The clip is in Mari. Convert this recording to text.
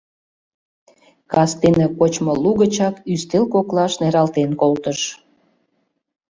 Кастене кочмо лугычак ӱстел коклаш нералтен колтыш.